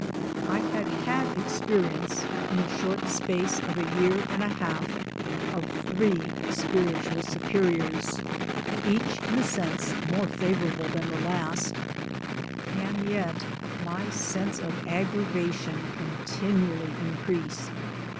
I had had! experience in the short; MY DAYS AND DREAMS space of a year and a half, of three spiritual superiors each in a sense more favorable than the last ; and yet my sense of aggravation continually increased.